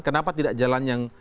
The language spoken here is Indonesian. kenapa tidak jalan yang